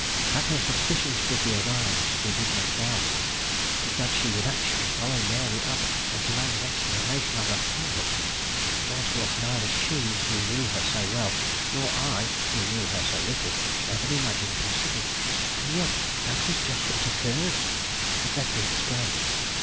That her suspicions would be aroused we did not doubt; but that she would actually follow Mary up and demand an explanation of her conduct, was what neither she, who knew her so well, nor I, who knew her so little, ever imagined possible. And yet that was just what occurred. But let me explain.